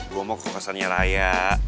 gue mau ke kokosan nyeraya